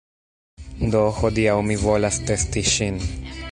Do, hodiaŭ mi volas testi ŝin